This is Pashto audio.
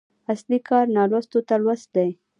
اصلي کار نالوستو ته لوست دی.